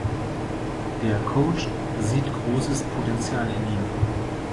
Der Coach sieht großes Potenzial in ihm.